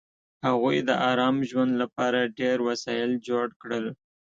هغوی د ارام ژوند لپاره ډېر وسایل جوړ کړل